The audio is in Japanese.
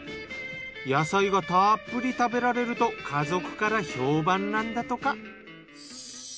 野菜がたっぷり食べられると家族から評判なんだとか。